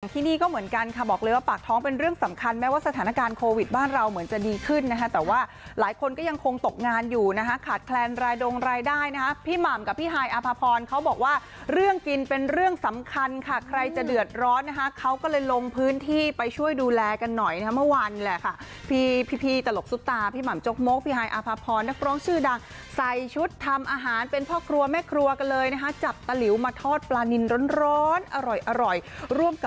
ที่นี่ก็เหมือนกันค่ะบอกเลยว่าปากท้องเป็นเรื่องสำคัญแม้ว่าสถานการณ์โควิดบ้านเราเหมือนจะดีขึ้นนะฮะแต่ว่าหลายคนก็ยังคงตกงานอยู่นะฮะขาดแคลนรายดงรายได้นะฮะพี่หม่ำกับพี่หายอภพรเขาบอกว่าเรื่องกินเป็นเรื่องสำคัญค่ะใครจะเดือดร้อนนะฮะเขาก็เลยลงพื้นที่ไปช่วยดูแลกันหน่อยนะฮะเมื่อวันแหละค่